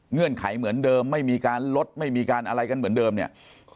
เงื่อนไขเหมือนเดิมไม่มีการลดไม่มีการอะไรกันเหมือนเดิมเนี่ย